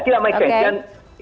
tidak make sense